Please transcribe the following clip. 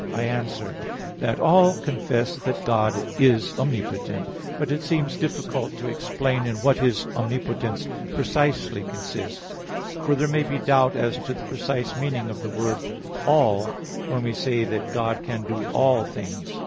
I answer that, All confess that God is omnipotent; but it seems difficult to explain in what His omnipotence precisely consists: for there may be doubt as to the precise meaning of the word 'all' when we say that God can do all things.